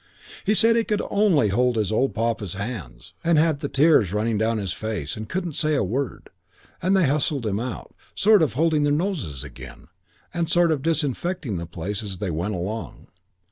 He said he could only hold his old pal's hand, and had the tears running down his face, and couldn't say a word, and they hustled him out, sort of holding their noses again, and sort of disinfecting the place as they went along.